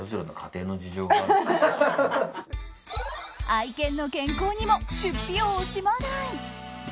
愛犬の健康にも出費を惜しまない。